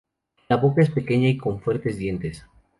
La boca es pequeña y con fuertes dientes.